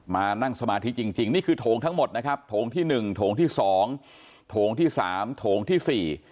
มานั่งสมาธิจริงจริงนี่คือโถงทั้งหมดนะครับโถงที่หนึ่งโถงที่สองโถงที่สามโถงที่สี่